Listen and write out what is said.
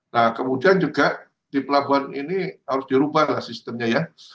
nah kemudian juga di pelabuhan ini harus dirubah lah sistemnya ya